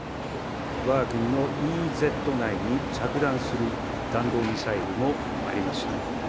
わが国のＥＥＺ内に着弾する弾道ミサイルもありました。